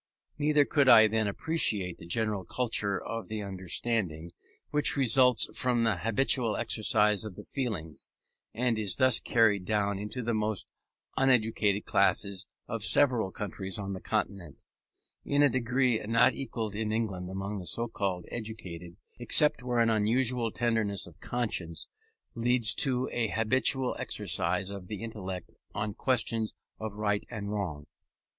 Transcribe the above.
Neither could I then appreciate the general culture of the understanding, which results from the habitual exercise of the feelings, and is thus carried down into the most uneducated classes of several countries on the Continent, in a degree not equalled in England among the so called educated, except where an unusual tenderness of conscience leads to a habitual exercise of the intellect on questions of right and wrong.